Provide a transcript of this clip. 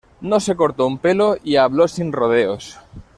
No se cortó un pelo y habló sin rodeos